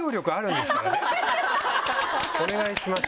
お願いします。